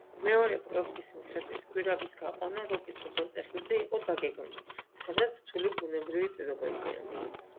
მეორე პროექტის მიხედვით, გვირაბის გაყვანა როკის უღელტეხილზე იყო დაგეგმილი, სადაც რთული ბუნებრივი პირობებია.